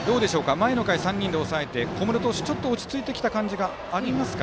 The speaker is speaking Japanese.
前の回３人で抑えて小室投手ちょっと落ち着いてきた感じがしますか。